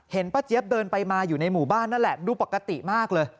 ป้าเจี๊ยบเดินไปมาอยู่ในหมู่บ้านนั่นแหละดูปกติมากเลย